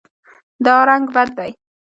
دا رنګ بد دی